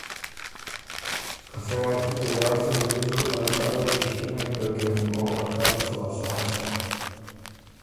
که سۀ وار تُو تیار سُن بيې سُو ائ بيې پِشتِنئ تَۀ کېم او ا کرم سُو اسان سۀ۔